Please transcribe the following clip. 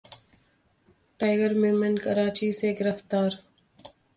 'tiger Memon' Karachi से गिरफ्तार